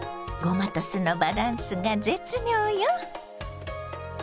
ごまと酢のバランスが絶妙よ。